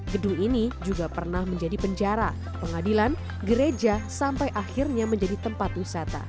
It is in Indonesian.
gedung ini juga pernah menjadi penjara pengadilan gereja sampai akhirnya menjadi tempat wisata